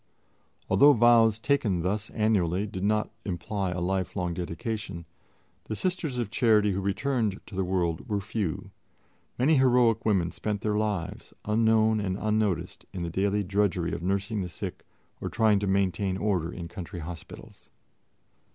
Although vows taken thus annually did not imply a lifelong dedication, the Sisters of Charity who returned to the world were few. Many heroic women spent their lives, unknown and unnoticed, in the daily drudgery of nursing the sick or trying to maintain order in country hospitals.